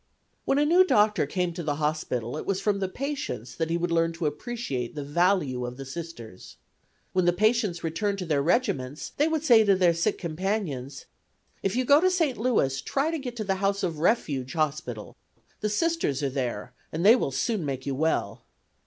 When a new doctor came to the hospital it was from the patients that he would learn to appreciate the value of the Sisters. When the patients returned to their regiments they would say to their sick companions: "If you go to St. Louis try to get to the House of Refuge Hospital; the Sisters are there and they will soon make you well."